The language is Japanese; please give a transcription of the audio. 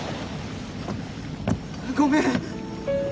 ごめん！